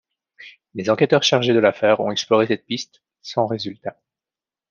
Les enquêteurs chargés de l'affaire ont exploré cette piste, sans résultat.